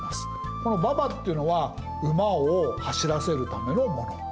この馬場っていうのは馬を走らせるためのもの。